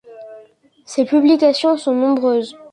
Ses publications sont nombreuses.